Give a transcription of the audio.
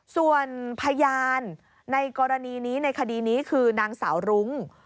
ส่วนพยานในกรณีนี้ในคดีนี้คือนางสาวรุ้ง